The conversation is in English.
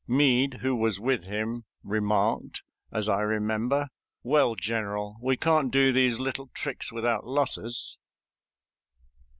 Meade, who was with him, remarked, as I remember, "Well, General, we can't do these little tricks without losses."